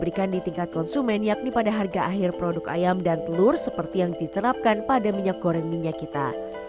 pemerintah menilai pemerintah yang menanggung kekurangan di tingkat konsumen yakni pada harga akhir produk ayam dan telur seperti yang diterapkan pada minyak goreng minyak kita